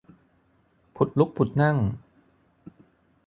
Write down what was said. ผุดลุกผุดนั่ง